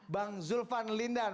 bang zulfan lindan